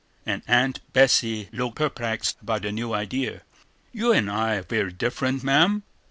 And Aunt Betsey looked perplexed by the new idea. "You and I are very different, ma'am.